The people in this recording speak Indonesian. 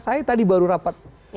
saya tadi baru rapat